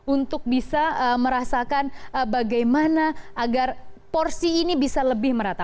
untuk bisa merasakan bagaimana agar porsi ini bisa lebih merata